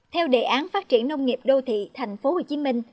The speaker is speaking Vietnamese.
theo đề án phát triển nông nghiệp đô thị thành phố hồ chí minh